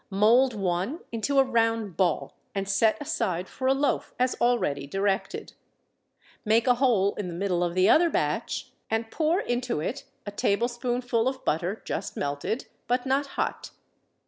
Mould one into a round ball, and set aside for a loaf as already directed. Make a hole in the middle of the other batch and pour into it a tablespoonful of butter, just melted, but not hot.